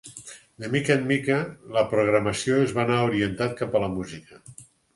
De mica en mica, la programació es va anar orientat cap a la música.